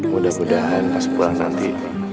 mudah mudahan pas pulang nanti